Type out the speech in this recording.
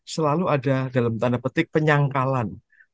selalu ada dalam tanda petik penyangkalan